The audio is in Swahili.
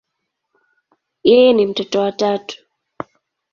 Yeye ni mtoto wa tatu.